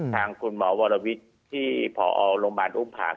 ทางคุณหมอวรวิทย์ที่พอโรงพยาบาลอุ้มผาง